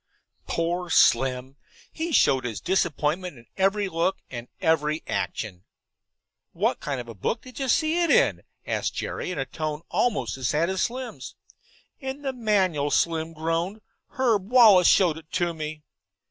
Poor Slim! He showed his disappointment in every look and every action. "What kind of a book did you see it in?" asked Jerry, in a tone almost as sad as Slim's. "In the manual," Slim groaned. "Herb Wallace showed it to me."